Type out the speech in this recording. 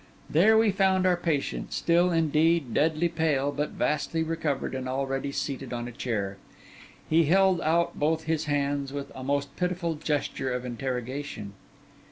There we found our patient, still, indeed, deadly pale, but vastly recovered and already seated on a chair. He held out both his hands with a most pitiful gesture of interrogation.